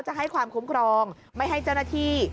จะให้ความคุ้มครองไม่ให้เจ้าหน้าที่